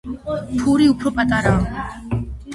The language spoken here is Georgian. ფური უფრო პატარაა.